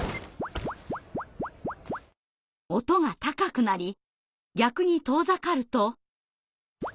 音が高くなり逆に遠ざかると。